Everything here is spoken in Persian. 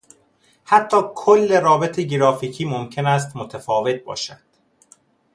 حتی کل رابط گرافیکی ممکن است متفاوت باشد.